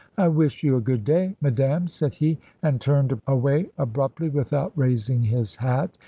"I wish you a good day, madame," said he, and turned away abruptly without raising his hat.